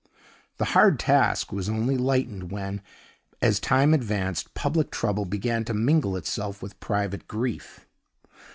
The hard task was only lightened when, as time advanced, public trouble began to mingle itself with private grief.